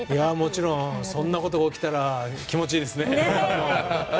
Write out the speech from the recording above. もちろんそんなことが起きたら気持ちいいですね。